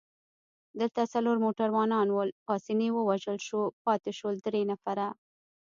دلته څلور موټروانان ول، پاسیني ووژل شو، پاتې شول درې نفره.